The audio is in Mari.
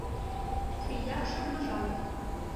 — Федя шыргыжале.